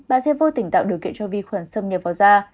bạn sẽ vô tình tạo điều kiện cho vi khuẩn xâm nhập vào da